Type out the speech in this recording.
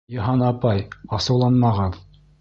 Йыһан апай, асыуланмағыҙ...